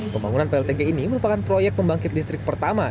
pembangunan pltg ini merupakan proyek pembangkit listrik pertama